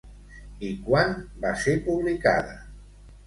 I quan va ser publicada?